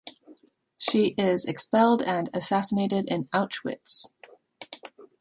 She is expelled and assassinated in Auschwitz.